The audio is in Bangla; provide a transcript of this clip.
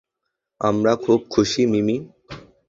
আমরা খুব খুশি, মিমি।